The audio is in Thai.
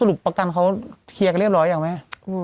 รุปประกันเขาเคลียร์กันเรียบร้อยยังแม่